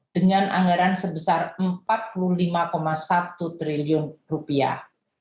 dengan anggaran sebesar empat puluh lima satu triliun rupiah